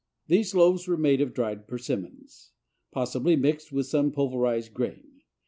These loaves were made of dried Persimmons, possibly, mixed with some pulverized grain.